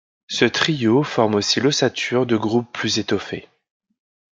Ce trio forme aussi l'ossature de groupes plus étoffés.